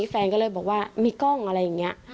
แฟนก็เลยบอกว่ามีกล้องอะไรอย่างนี้